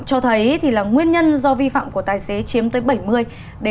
cho thấy là nguyên nhân do vi phạm của tài xế chiếm tới bảy mươi bảy mươi năm